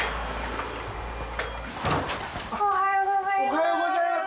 おはようございます！